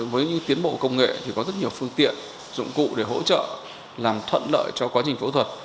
với tiến bộ công nghệ thì có rất nhiều phương tiện dụng cụ để hỗ trợ làm thuận lợi cho quá trình phẫu thuật